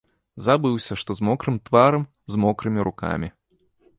Забыўся, што з мокрым тварам, з мокрымі рукамі.